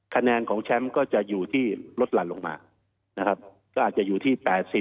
คะแนนของแชมป์ก็จะอยู่ที่ลดหลั่นลงมานะครับก็อาจจะอยู่ที่๘๐